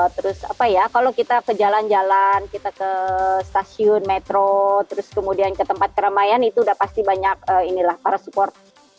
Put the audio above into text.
terus apa ya kalau kita ke jalan jalan kita ke stasiun metro terus kemudian ke tempat keramaian itu udah pasti banyak inilah para support